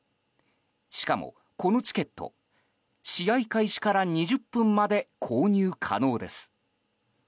しかも、このチケット試合開始から２０分まで購入可能です。